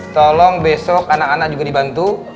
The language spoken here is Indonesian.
tolong besok anak anak juga dibantu